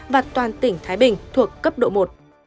và toàn tỉnh thái bình thuộc cấp độ một